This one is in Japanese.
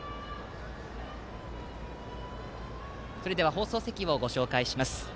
放送席をご紹介します。